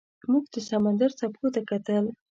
موږ د سمندر څپو ته کتل.